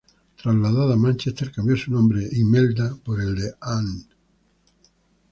Trasladada a Manchester, cambió su nombre, Imelda, por el de Anne.